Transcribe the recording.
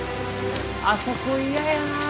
あそこ嫌やな。